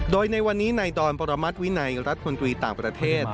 โดยในวันนี้ในดอนปรมัติวินัยรัฐมนตรีต่างประเทศ